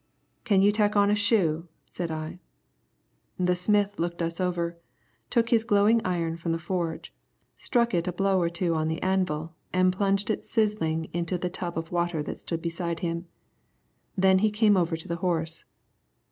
"Can you tack on a shoe?" said I. The smith looked us over, took his glowing iron from the forge, struck it a blow or two on the anvil, and plunged it sizzling into the tub of water that stood beside him. Then he came over to the horse.